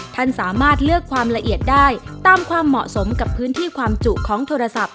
ท่านสามารถเลือกความละเอียดได้ตามความเหมาะสมกับพื้นที่ความจุของโทรศัพท์